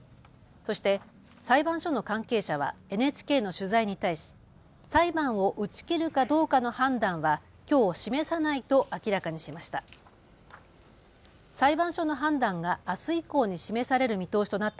そして裁判所の関係者はＮＨＫの取材に対し、裁判を打ち切るかどうかの判断はきょう示さないと明らかにしました。